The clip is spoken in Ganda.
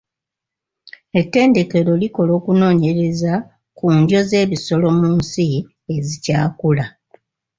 Ettendekero likola okunoonyereza ku ndyo z'ebisolo mu nsi ezikyakula.